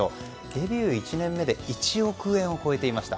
デビュー１年目で１億円を超えていました。